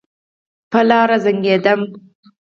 پر لار زنګېدم.